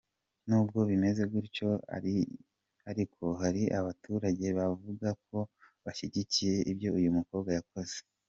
Nubwo bimeze gutyo ariko hari abaturage bavuga ko bashyigikiye ibyo uyu mukobwa yakoze.